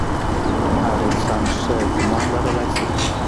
هماغه انسان ښه ګمان لرلی شي.